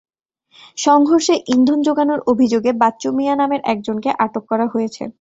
সংঘর্ষে ইন্ধন জোগানোর অভিযোগে বাচ্চু মিয়া নামের একজনকে আটক করা হয়েছে।